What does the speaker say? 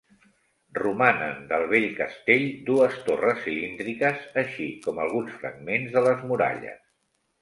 Romanen del vell castell dues torres cilíndriques, així com alguns fragments de les muralles.